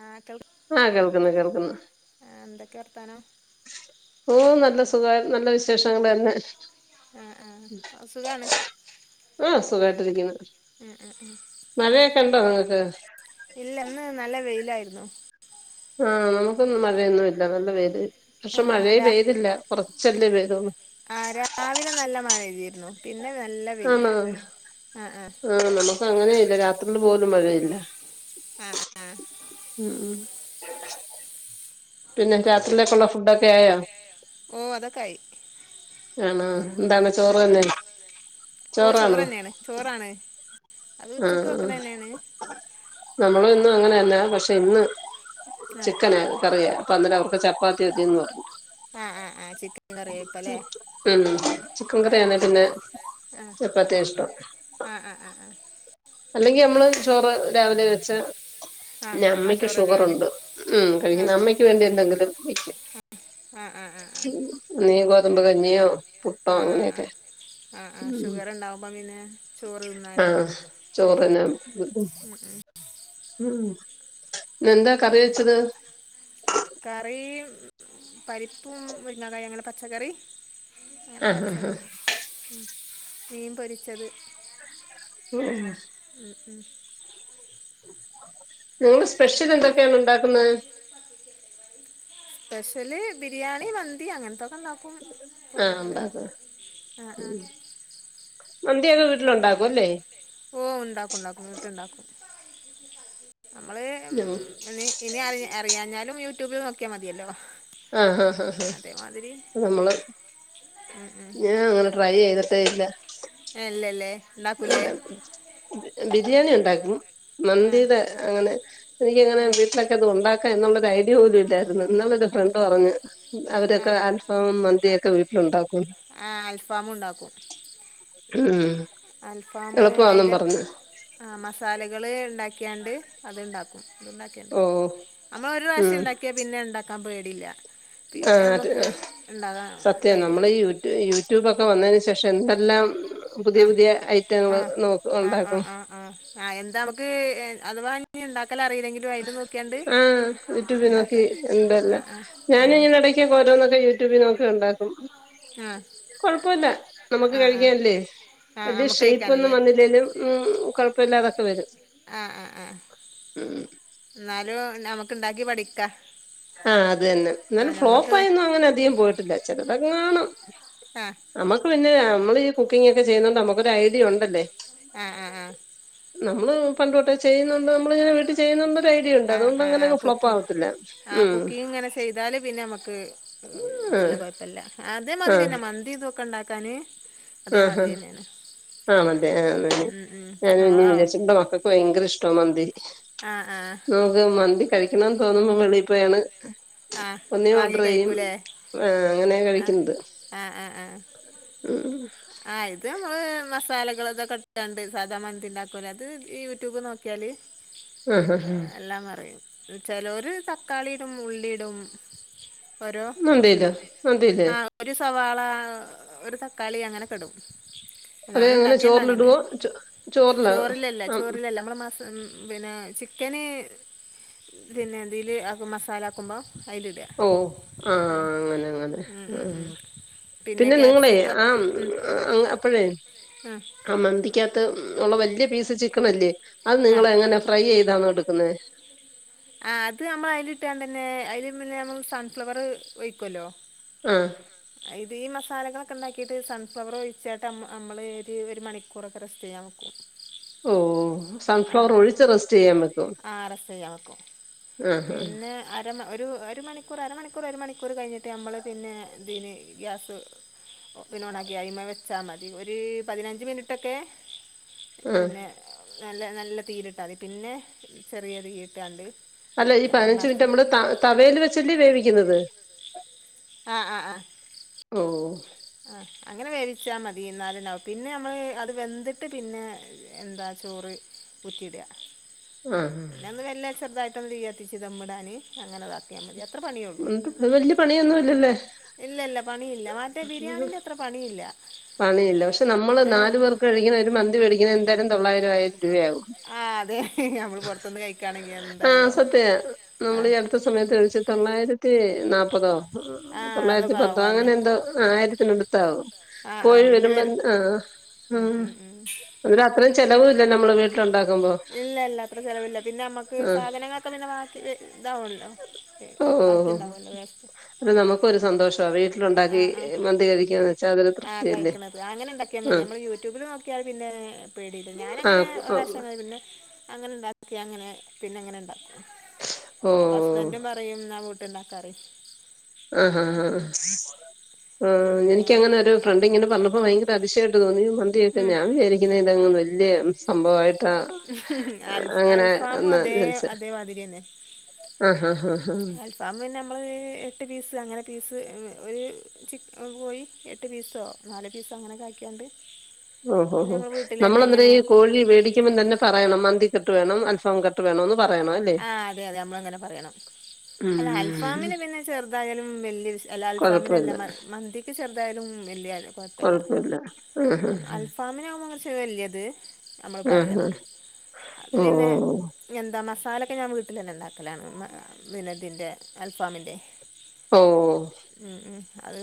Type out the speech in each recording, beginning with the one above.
ആഹ് കേൾ ആ കേൾക്കുന്നു കേൾക്കുന്നു ആഹ് എന്തൊക്കെ വർത്താനം നല്ല സുഖവാ നല്ല വിശേഷങ്ങള് തന്നെ ആഹ് ആഹ് ആഹ് സുഖാണ് ആ സുഖവാ യിട്ടിരിക്കുന്നു ഉം ഉം ഉം നിങ്ങക്ക് ഇല്ല ഇന്ന് നല്ല വെയി ലായിരുന്നു ആ നമുക്കൊന്നും മഴയൊന്നുമില്ല നല്ല വെയില് പക്ഷെ ആഹ് ആഹ് മഴയേ രാ പെയ്തില്ല കുറച്ചല്ലേ പെയ്തൊള്ളൂ ആഹ് രാവിലെ നല്ല മഴ പെയ്തിരുന്നു പിന്നെ നല്ല വെയില് ആണോ ആഹ് ആഹ് ആ നമക്ക് അങ്ങനെ രാത്രിയില് പോലും മഴയില്ല ആ ആ ഉം ഉം പിന്നെ രാത്രിയിലേക്കുള്ള ഫുഡൊക്കെ ആയോ ഓഹ് അതൊക്കെ ആയി ആണോ എന്താണ് ചോറ് ഉം തന്നെ ഉം ഓഹ് ചോറാണോ ചോറന്നെയാണ് ചോറാണ് അത് ആ ഉച്ചക്ക് വെക്കണ തന്നെയാണ് നമ്മൾ എന്നും അങ്ങനെ പക്ഷെ ഇന്ന് ആഹ് ചിക്കനാ കറിയാ അന്നേരം അവർക്ക് ചപ്പാത്തി മതിയെന്ന് പറഞ്ഞു ആ ആ ആ ചിക്കൻ കറി വയ്പ്പല്ലേ ഉം ചിക്കൻ ആ ആ കറിയാണെ പിന്നെ ആ ചപ്പാത്തിയാ ഇഷ്ടം ആ ആ ആ ആ അല്ലെങ്കി നമ്മള് ചോറ് രാവിലെ വെച്ച ആഹ് ആഹ് ആഹ് അമ്മയ്ക്ക് ചോറ് തന്നെയാണല്ലേ ഷുഗർുണ്ട് ഉം കഴിക്കുന ആഹ് അമ്മയ്ക്ക് എന്തെങ്കിലും ആഹ് ആഹ് ആഹ് [unintelligible] കഞ്ഞിയോ പുട്ടോ ആ ആ അങ്ങനെയൊക്കെ ആ ആ ആ ഉം ഷുഗർ ഉണ്ടാവുമ്പ പിന്നെ ചോറ് തിന്നാന് ആഹ് ചോറിന് പറ്റില്ലല്ലോ ഉം ഉം ഉം ഇന്ന് എന്താ കറി വെച്ചത് കറി പരിപ്പും മുരിങ്ങകായ് അങ്ങനെ പച്ചക്കറി അങ്ങനെ ആഹ് ആഹ് വെച്ചതാ മീൻ പൊരിച്ചത് ഉം [inaudible] ഉം നിങ്ങൾ സ്പെഷ്യൽ എന്താ ങ്ങനെയാണ് ഉണ്ടാക്കുന്നെ സ്പെഷ്യല് ബിരിയാണി മന്തി അങ്ങൻത്തൊക്കെ ഇണ്ടാക്കും ആഹ് പൊരികൾ ഉണ്ടാക്കും ആ ആ മന്തിയൊക്കെ വീട്ടിൽ ഒണ്ടാക്കും അല്ലേ ഓ ഇണ്ടാക്കും ഇണ്ടാക്കും വീട്ട്‌ ഇണ്ടാക്കും നമ്മള് ആഹ് ഇനി ഇനി അറിയ അറിയാഞ്ഞാലും യൂട്യൂബിൽ നോ ഒക്കെ മതിയല്ലോ ആഹ് ആഹ് ആഹ് അതേമാതിരി ആഹ് നമ്മള് ഞാൻ അങ്ങനെ ട്രൈ ചെയ്തിട്ടേ ഇല്ല ഇണ്ടാക്കുലെ ബിരിയാണി ഉണ്ടാക്കും ആഹ് മന്തിടെ അങ്ങനെ എനിക്കങ്ങനെ വീട്ടിലൊക്കെ അത് ഉണ്ടാ ക്ക എന്നുള്ളൊരു ഐഡിയ പോലും ഇല്ലായിരുന്നു എന്നോടൊരു ഫ്രണ്ട് പറഞ്ഞ് അവരൊക്കെ ആഹ് അൽഫാമും മന്തിയൊക്കെ വീട്ടി ഉണ്ടാക്കും ആ അൽഫാമും ഇണ്ടാക്കും ഉം അൽഫാമും എളുപ്പമാന്നും അയിന്റെ പറഞ്ഞ് ആ മസാലിം നിങ്ങള് ഇണ്ടാക്കിയാണ്ട് അത് ഇണ്ടാക്കും ണ്ടുക്കിയണ്ട് ഓ അമ്മ ഒരു ഉം പ്രാവശ്യം ഉണ്ടാക്കിയാ പിന്നെ ഉണ്ടാ ക്കാൻ പേടില്ല ആഹ് അത് സത്യം നമ്മള് ധൈര്യമാണ് യൂട്യൂ യൂട്യൂബ് ഒക്കെ വന്നെന് ശേ പക്ഷെ എന്തെല്ലാം പുതിയ ആഹ് പുതിയ ഐറ്റങ്ങള് ആഹ് നോക്ക് ആഹ് ഉണ്ടാക്കും ആഹ് ആഹ് ആഹ് എന്താ നമുക്ക് അഥവാ നീ ഇണ്ട ആ യൂട്യൂബി നോക്കി ഉണ്ടാക്കാം ഇണ്ടല്ല ആ ആ ഞാൻ ആ ഇങ്ങനെ എടകൊക്കെ ഓരോന്നൊക്കെ യൂട്യൂബിൽ നോ ഉണ്ടാക്കും ആ കൊഴപ്പയില്ല നമുക്ക് ആ ആ കഴിക്കാൻ അല്ലേ ആ വലിയ നമുക്ക് ഷേപ്പ് ഒന്നും കഴിക്കാനല്ലേ വന്നില്ലേലും മ്മ് കൊഴ ഉപ്പില്ലാതൊക്കെ വരും ആ ആ ആ ഉം എന്നാലും നമുക്ക് ഇണ്ടാക്കി പഠിക്ക ആഹ് അത് തന്നെ എന്നാലും ഫ്ലോപ്പ് ആയൊന്നും അങ്ങനെ അധികം പോയിട്ടില്ല ചിലതെങ്ങാണും ആ നമ്മക്ക് പിന്നെ നമ്മൾ ഈ കു കുക്കിങ്ങൊക്കെ ചെയ്യുന്നോണ്ട് നമ്മക്കൊരു ഐഡിയ ഉണ്ടല്ലേ ആ ആ ആ നമ്മള് പണ്ട് തൊട്ടെ ചെയ്യുന്നുണ്ട് നമ്മളിങ്ങനെ വീട്ട് ചെയ്യുന്നോണ്ട് ടിയുണ്ട് ആ ആ ആ അതോണ്ടങ്ങനങ് കുക്കി ഫ്ലോപ്പാവത്തില്ല ആ കുക്കിംഗ് ഇങ്ങനെ ചെയ്താല് പിന്നെ നമ്മക്ക് ഇതില്ല ആഹ് കൊഴ്പ്പല്ല അതേമാതിരിന്നെ മന്തി ഇതൊക്കണ്ടാ ത്തന് ആ ഹാ ആ മന്തി ആ അതെ ഉം ഉം ഞാന് ആ പിന്നിം ആ വിചാര്ച്ചു ഇവിടെ മക്കക്ക് ഭയങ്കര ഇഷ്ടാ മന്തി ആ ആഹ് നമുക്ക് മന്തി കഴിക്കണംന്ന് തോന്നുമ്പൊ വെളി പോയാണ് ആ ഒന്നേ വാങ്ങി ഓർഡർ ചെയ്യും കഴിക്കൂലേ ആഹ് അങ്ങനെ അ കഴിക്കുന്നത് ആ ആ ആ ഉം ആ ഇത് നമ്മള് മസാലകളൊകെക്കെട്ടാണ്ട് സാധാ മന്തിണ്ടാക്കൂലെ അത് യൂട്യൂബ് നോക്കിയാല് ആഹ് ആഹ് എല്ലാം അറിയും ചെലോര് തക്കാളീടും ഉള്ളിടും മന്തിയില്ല മന്തിയില്ലേ ളാ ഒരു തക്കാളി അങ്ങനെ ക്കെടും അത് ഞാനും എങ്ങനെ ഇണ്ടാക്കേണ്ടങ്ങനെ ചോറിലിടുവോ ചോ ചോറിലോ ചോറിലല്ല ചോറിലല്ല നമ്മള മസ പിന്നെ ചിക്കന് പിന്നെ ന്തില് അത് മസാലാക്കുമ്പം ഓ ആ അങ്ങനങ്ങനെ ഉം ആ ഉം ഉം പിന്നെ നിങ്ങളെ ക്യാപ്സിക്കം ആ ഉം അപ്പഴേ ഉം ആ മന്തിക്കത്ത് ഉള്ള വ ല്യ പീസ് ചിക്കണല്ലേ അത് ആഹ് നിങ്ങള് എങ്ങനെ ഫ്രൈയ്താണൊ ഇട്ക്കുന്നെ ആ അത് അമ്മള് ഐല്ട്ടാണ്ടന്നെ ഐല് പിന്നെ മ്മള് സൺഫ്ലവറ് ഒഴിക്കല്ലോ അ ഇത് ഈ മസാലകളൊക്കെ ഇണ്ടാക്കീട്ട് സൺഫ്ലവറ് ഒഴിച്ചാട്ട് അമ അമ്മള് ഇത് ഒരു മണിക്കൂറൊക്കെ റസ്റ്റെയ്യാൻ വെക്കും സൺഫ്ലവറ് ഒഴിച്ച് റെസ്റ്റെയ്യാ വെക്കും റ്റെയ്യാവെക്കും ആ ഹാ പിന്നെ അര ഒ ഒരു ഒരു മണിക്കൂറ് അരമണിക്കൂറ് ഒരുമണിക്കൂറ് കഴിഞ്ഞിട്ട് അമ്മള് പിന്നെ ഇതിന് ഗ്യാസ് പിന്നെ ഓണാക്കി ഐമെവെച്ചാ മതി ഒര് പതിനഞ്ച് മിനിട്ടൊക്കെ ആ പിന്നെ ന്നല്ലെ ന്നല്ല തീയിട്ടാതി പിന്നെ ചെറിയ തീയിട്ടാണ്ട് അല്ല ഈ വയ്ക്കാൻ മതി പതിനഞ്ച് മിൻറ്റ് മറിച്ചിട്ട് നമ്മള് ത തവെല് വെച്ചല്ലേ വേവിക്ക്‌ന്നത് ആ ആ ആ ഓ ആ അങ്ങനെ വേവിച്ചാ മതി എന്നാല്ണ്ടാവും പിന്നെ നമ്മള് അത് വെന്ത്ട്ട് പിന്നെ എന്താ ചോറ് ഉറ്റിയ്ടാ ആ ആ. പിനൊന്ന് വെല്ലെ ചെറുതായ്ട്ട് ട്ടെന്തിയ്യത്തിച്ച് ധമ്മ്ടാന് അങ്ങനെ താക്കിയമതി അ എന്ന്ട്ട് വല്യ പണിയൊന്നുല്ലല്ലേ ബിരിയാണിന്റെഅത്ര പണിയി ല്ല പണിയില്ല പക്ഷെ നമ്മള് നാല് പേർക്ക് കഴിക്ന്ന ഒരു മന്തി വെടിക്കുന്നെന്താലും തൊള്ളായ്രം ആയിര് രൂവആവും ആ അതെ നമ്മൾ പുറത്തുനിന്ന് കഴിക്കുകയാണെങ്കിൽ ആ എന്തായാലും ആവും സത്യാ ആ നമ്മളി ഈ അടുത്ത സമയത്ത് കഴിച്ച തൊള്ളായിര ത്തി ന്നാപ് മുപ്പതോ ആ തൊള്ളായിരത്തി അതൊക്കെ പത്തോ ആവും തന്നെ അങ്ങനെ എന്തോ ആയിരത്തിനെടുത്താവും ആ ആ പോയി ബില്ല് വരുമ്പോ വരും ന്ത് ആ ആ ഉം, ഉം, ഉം. എന്താ അത്രേ ചെലവൂല്ലേ നമ്മളെവീട്ട് ഇല്ലല്ല അത്ര ചെലവില്ല പിന്നനമ്മക്ക് ആഹ് സാധനങ്ങളൊക്കെ പിന്നെ വാക്കി ഇതാവോല്ലോ ഓഹ് ബാക്കിണ്ടാവോല്ലോ വേസ്റ്റ് അത് നമുക്കൊരു സന്തോഷവാ അ വീട്ടിലുണ്ടാക്കി അ മന്തി കഴിക്കാന്ന് വെച്ചാ അതൊരു ആ തൃപ്തിയല്ലേ കയ്ക്കണത് അങ്ങനെ ഇണ്ടാക്ക്യാ മതി ആഹ് നമ്മള് യൂട്യൂബില് നോക്കിയാൽ പിന്നേ പേടിയില്ല ഞാനങ്ങനെ ആഹ് ഒറാഷ്യം [unintelligible] കുന്നെ അങ്ങനിണ്ടാക്കി അങ്ങനെ പിന്നിങ്ങനിണ്ടാക്കു ഓഹ് അപ്പ ഹസ്ബന്റും പറയും ന്നാവുട് ഇണ്ടാക്കറിയോ ആ ആ ആ പിന്നെ എനിക്കങ്ങനൊരു ഫ്രണ്ടിങ്ങനെ പറഞ്ഞപ്പോ വയങ്കര അതിഷ്യായിട്ട് തോന്നി [unintelligible] ഉം ഞാൻ വിജാരിക്കുന്നെ ഇതങ്ങ് വെല്യേ ഉം സംഭവായ്ട്ടാ അ അൽ അങ്ങനെ അൽഫാമും ഒന്നാ അതേ [unintelligible] ഹ ഹ ഹ അൽഫാമ് പിന്നമ്മള് എട്ട് പീസ് അങ്ങനെ പീസ് ഒര് ചിക്കൻ പോയി എട്ട് പീസോ നാല പീസോ അങ്ങനൊക്കെ ആക്യാണ്ട് ഓ ഹോ ഹോ നമ്മളന്നേരം ഈ കോഴ്നെ വേടികുമ്പതന്നെ പറയണം മന്തി കട്ട് വേണം അൽഫ ഫം കട്ട് വെണോന്നും ആ അതെ അതെ ഞമ്മൾ ഇങ്ങനെ പറയണം അല്ല ഉം അൽഫാമിന് പിന്നെ ചെർതായാലും വെല്ല്യെ വിശ് അല്ല അൽഫാമിനല്ല കൊഴപ്പവില്ല മന്തിക്ക് ചെർ തായാലും വെല്ല്യാലും കൊഴപ്പെല്ല ആ അ ന് വെല്ല്യെത് ഞമ്മള് പറയണം, അത് പിന്നെ ഓഹ് എന്താ മസ് ക്കെ ഞാൻ വീട്ടിലെന്നെണ്ടാക്കലാണ് പിന്നെതിന്റെ അൽഫാമിന്റെ ഓ അത്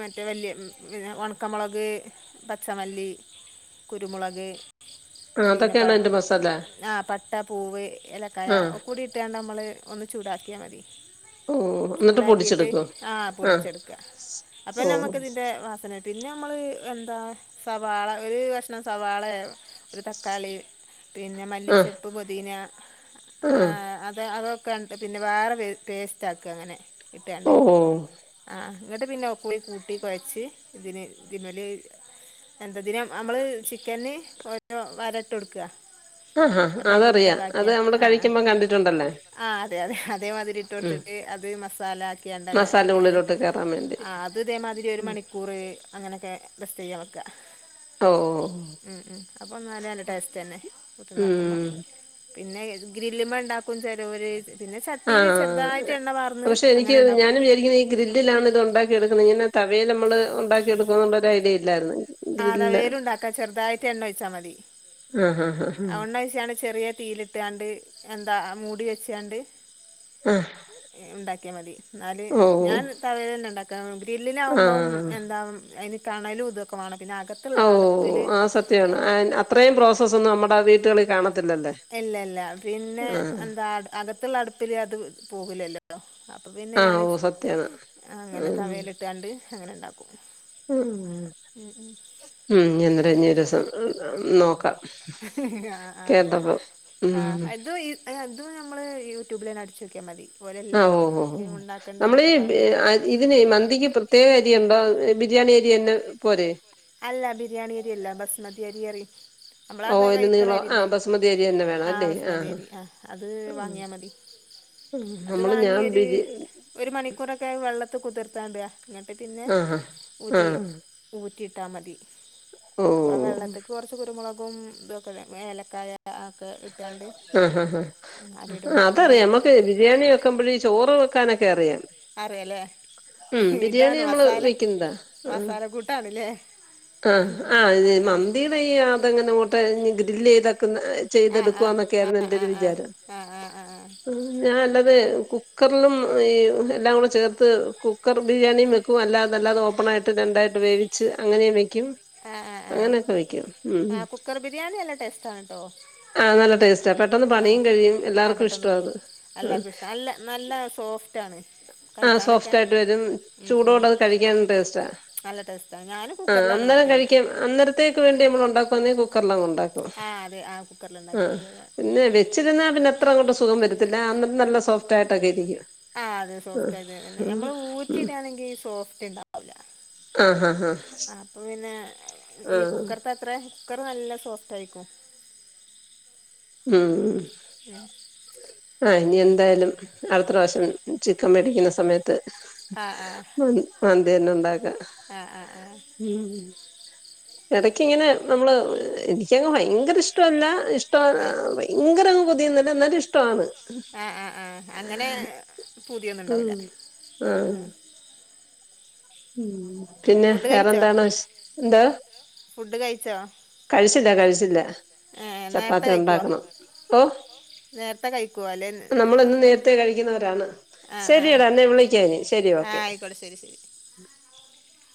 മറ്റേ വല്ല്യെ പിന്നെ ഒൺക്കമൊളക് പച്ചമല്ലി കുരുമൊളക് ആഹ് പിന്നെ പാ അതൊക്കെയാണ് അതിന്റെ മസാല ആ പട്ട പൂവെ കായ ആഹ് ഒക്കുടി ഇട്ടാണ്ട് അമ്മള് ഒന്ന് ചൂടാക്കിയാ മതി. ഓഹ് എന്നിട്ട് ചൂടാക്കിയിട്ട് പൊടിച്ചെടുക്കോ ആ ആഹ് പൊടിച്ചെടുക്ക ഓഹ് അപ്പെന്നമ്മക്ക് ഇതിന്റെ വാസന പിന്നെ അമ്മള് എന്താ സവാള ഒരു കഷ്ണം സവാളേ ഒരു തക്കാളി, പിന്നെ ആഹ് മല്ലിച്ചപ്പ് പൊതീന ആ ആഹ് അതെ അതൊക്കണ്ട് പിന്നെ വാറെ പേ പേസ്റ്റാക്ക അങ്ങനെ. ഇട്ടാണ്ട് ഓഹ് ആ ഇന്നിട്ടു പിന്നെ ഒക്കൂടി കൂട്ടി കൊയ്ച്ച് ഇതിന് ഇതിനൾമ്മെല് എന്തെതിനും അമ്മള് ചിക്കന് ഓരോ വരട്ടൊട്ക്ക ആ ആ അതറിയാ അത് നമ്മള് ആ ആ കഴിക്കുമ്പം കണ്ടിട്ടുണ്ടല്ലേ ആ അതെ അതെ അതേമാതിരി ഉം ഇട്ട്കൊടുത്തിട്ട് അത് മസാല ആക്ക്യാണ്ടങ് മസാല ഇട്ട് ഉള്ളിലോട്ട് കേറാൻ വേണ്ടി ആ അത് ഇതേമാതിരി ഒരു ഉം. മണിക്കൂറ് അങ്ങനെക്കെ റെസ്റ്റെയ്യാ വെ ക്ക. ഓ ഉം ഉം അപ്പൊന്നാല നല്ല ടേസ്റ്റെന്നെ വിട്ട്ണ്ടാക്കുമ്പോ. ഉം പിന്നെ ഗ്രില്ലുമ്മേണ്ടാക്കും ചെലോര് ആ പകൾഷെ എനിക്ക് അങ്ങനെ ഉണ്ടാക്കും ഞാനും വിചാരിക്കുന്നെ ഈ ഗ്രില്ലിലാണ് ഇത് ഒണ്ടാക്കി എടുക്കുന്നെ ഇങ്ങനെ ത വയിൽ നമ്മള് ഒണ്ടാക്കിയെടുക്കും എന്നുള്ള ഒരു ഐഡിയ ഇല്ലായിരുന്നു. ആ ഗ്രില്ല് തവേലുണ്ടാക്കാ ചെറുതായിട്ട് എണ്ണ ഒയ്ച്ചാ മതി ആഹ് ആഹ് ആഹ് എണ്ണ ഒയ്ച്ചാണ്ട് ചെറ്യേ തീലിട്ടാണ്ട് എന്താ മൂടി വെച്ചാണ്ട് ആഹ് ഉണ്ടാക് ക്ക്യാമതി. എന്നാല് ഓ ഞാൻ തവേല് തന്നെ ഇണ്ടാക്ക ഗ്രില്ലിലാവുമ്പം ആഹ് എന്താ അയിന് കണല് ഉതിർ ക്കുവാണ് പിന്നെ അകത്തുള്ള ഓ അടുപ്പില് ആ സത്യാണ് അത് ആൻ അത്രയും പ്രോസസ്സൊന്നും നമ്മുടെ വീട്ടുകളിൽ കാണത്തില്ലല്ലേ [unintelligible] ഇല്ലല്ല പിന്നെ ആഹ് എന്താ അകത്തുള്ള അടുപ്പില് അത് പോകില്ലല്ലല്ലോ അപ്പൊ പിന്നെ ഞാൻ ആഹ് ഓ സത്യാണ് അങ്ങനെ ഉം തവീലിട്ട് കാണ്ട് അങ്ങനെണ്ടാക്കും ഉം ഉം എന്നത് ന്ന് നൊരീസം നോക്കാം ആ ആ കേട്ടപ്പം ആ ഉം അത അത് നമ്മള് യൂട്യൂബിലെന്നെ അടിച്ചോക്ക്യാമതി ആ ഓ ഓ ഓ നമ്മളീ പറഞ്ഞു തരും ഇതിന് മന്തിക്ക് പ്രത്യേക അരി ഉണ്ടോ ബിരിയാണി അരിന്നെ പോരെ അല്ല ബിരിയാണി അരിയല്ല ബസ്മതി അരി അരി നമ്മള ഓ അത് അതിന് നീളം ആ കഴിക്കണരില്ലേ ബസുമതി അരി തന്നെ വേണം ആ അല്ലേ ബസ്മതിയരി ആ അത് ആ ഉം. വാങ്ങിയാൽ മതി. അത് നമ്മള് വാങ്ങിയ ഞാൻ ഒരു ബിരി ഒരു മണിക്കൂറൊക്കെ വെള്ളത്തി ത് കുതിർത്താത്തിയാ ന്നട്ട് പിന്നെ ആ ആ ആ ഊറ്റി ഊ റ്റി ഇട്ടാ മതി ഓ അപ്പൊ ആ വെള്ളത്തിക്ക് കുറച്ച് കുരുമുളക് കും ഇതേപോലെ ഏലക്കായ ഒക്കെ ഇട്ടാണ്ട് ആ ഹ ഹ ആ അരിയിടുമ്പോൾ പിന്നെ അതറിയാം ഊറ്റി നമുക്ക് ബിരിയാണി വെക്കുമ്പോഴ് ചോറ് വെക്കാനൊക്കെ അറിയാം അറിയാല്ലേ ഉം ബിരിയാണി ഇതാണ് നമ്മള് മസാല വെക്കുന്നതാ ഉം. മസാല കൂട്ടാണ് ല്ലേ ആ ആ മന്തിയുടെ ഈ അതെങ്ങനെ ഇങ്ങോട്ട് ഇനി [unintelligible] ക്കുന്ന ആ ആ ചെയ്തടുക്കന്നൊക്കെയാരുന്നു ആ ആ എന്റെരു ആ വിചാരം ആ ആ ആ ഞൻല്ലത് കുക്ക് കുക്കറിലും ഈ എല്ലാം കൂടെ ചേർത്ത് കുക്കർ ബിരിയാണിയും വെക്കും അല്ലാതെ അല്ലാതെ ഓപ്പൺ ആായിട്ട് രണ്ടായിട്ട് വേവിച്ച് അങ്ങനെ വെക്കും ആ ആ ആ അങ്ങനെയൊക്കെ വെക്കും ആ ഉം കുക്കർ ബിരിയാണി നല്ല ടേസ്റ്റ് ആണ് ട്ടോ ആഹ് നല്ല ടേസ്റ്റാ പെട്ടെന്ന് ആ പണിയും കഴിയും ആ എല്ലാർക്കും പെട്ടന്ന് ഇഷ്ടവാ പണി അത് എല്ലർക്കും ഇഷ്ട നല്ല നല്ല സോഫ്റ്റ് ആണ് ആ സോഫ്റ്റ് ആയിട്ട് വരും ഉം. ചൂടോട് അത് കഴിക്കാനും ടേസ്റ്റാ നല്ല ടേസ്റ്റാണ് ഞാൻ കുക്കറിലാണ് വെക്കല് അന്നരത്തേക്ക് വേണ്ടി നമ്മൾ ഉണ്ടാക്കുന്ന കുക്കറിലാ ഉണ്ടാക്കും ആ അതെ ആ അ കുക്കറിലുണ്ടാക്കിയാൽ മതി അതെ പിന്നെ വെച്ചി തിന്ന അത്ര അങ്ങട്ട് സുഖം വരത്തില്ല അന്നന്ന് നല്ല സോഫ്റ്റായിട്ടൊക്കെ ഇരിക്കു ആ അതെ സോഫ്റ്റ് അതെതന്നെ നമ്മൾ ഊറ്റിടാണെങ്കിൽ സോഫ്റ്റ്ണ്ടാവില്ല ആ ആ ആ അപ്പ പിന്നെ ഈ കുക്കറ്ത്തത്രെ കുക്കർ നല്ല സോഫറ്റായിക്കും ആ ഉം ഇനിയെന്തായാലും അടുത്ത പ്രാവശ്യം ചിക്കൻ മേടിക്ക്ന്ന സമയത്ത് ആ ആ മ മന്തിയന്നെ ഉണ്ടാക്ക ആ ആ ആ ഉം എടയ്ക്കങ്ങനെ നമ്മള് എനിക്കങ്ങ് ഭയങ്കര ഇഷ്ടവല്ല ഇഷ ടവ് ആ ഭയങ്കരങ്ങ് ബു ദ്ധിന്ന്ട് ന്ന്ട് ഇഷ്ടവാണ് ആ ആ ആ അങ്ങനെ ഉം പൂതിയൊന്നുണ്ടാവില്ല ആ ആഹ് ആ ഉം പിന്നെ ഫുഡ് കഴിച്ചോ വേറെന്താണ് വിശ് എന്തൊ ഫുഡ് കഴിച്ചോ കഴി ഇല്ല കഴിച്ചില്ല ഏ, നേരത്തെ ചപ്പാത്തി കഴിക്കുവോ ഉണ്ടാക്കണം ഓ നേരത്തെ കഴിക്കുമോ അല്ലേ നമ്മളെന്നും നേരത്തെ കഴിക്കുന്നവരാണ് ആ ആ ശരിയടാ അന്നെ വിളിക്കാം ഞാൻ ശരി ആ ഓക്കെ ആയിക്കോട്ടെ ശരി ശരി [inaudible]